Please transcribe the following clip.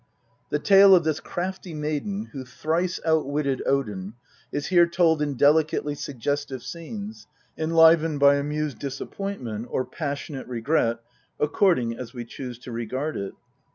* The tale of this crafty maiden, who thrice outwitted Odin, is here told in delicately suggestive scenes, enlivened by amused disappointment or passionate regret, according as we choose to regard it.